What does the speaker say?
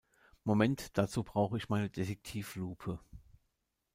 Moment, dazu brauche ich meine Detektivlupe.